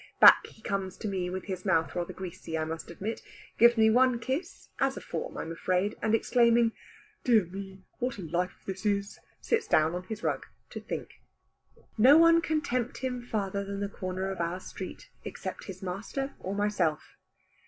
Back he comes to me, with his mouth rather greasy I must admit, gives me one kiss (as a form, I am afraid), and exclaiming, "Dear me! What a life this is!' sits down on his rug to think. No one can tempt him further than the corner of our street, except his master or myself.